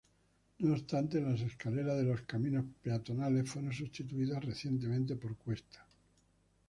No obstante, las escaleras de los caminos peatonales fueron sustituidas recientemente por cuestas.